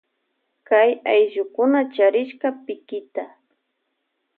Kay allukuna charishka pikita.